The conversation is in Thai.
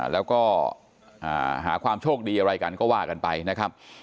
แล้วก็หาความโชคดีอะไรกันก็ว่ากันไปนะครับ